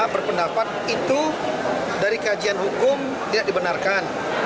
berpendapat itu dari kajian hukum tidak dibenarkan